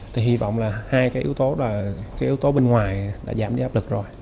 thì hy vọng là hai cái yếu tố là cái yếu tố bên ngoài đã giảm đi áp lực rồi